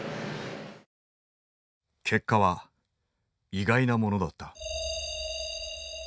結果は意外なものだった。